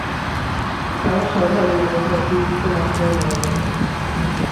তারা সবাই মাদকের অতিরিক্ত মাত্রায় মারা গেছে।